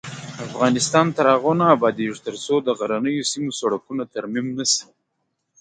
افغانستان تر هغو نه ابادیږي، ترڅو د غرنیو سیمو سړکونه ترمیم نشي.